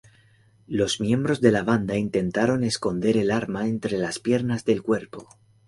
Los miembros de la banda intentaron esconder el arma entre las piernas del cuerpo.